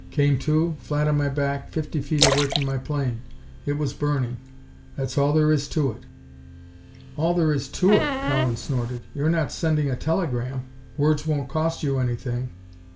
Came to, flat on my back, fifty feet away from my plane. It was burning. That's all there is to it." "All there is to it!" Cowan snorted. "You're not sending a telegram. Words won't cost you anything.